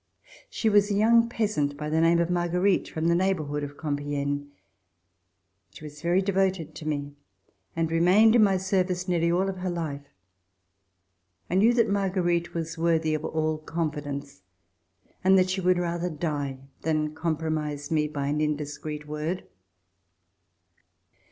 She was a young peasant, by the name of Marguerite, from the neighborhood of Compiegne. She was very devoted to me and remained in my service nearly all of her life. I knew that Marguerite was worthy of all con fidence and that she would rather die than com promise me by an indiscreet word.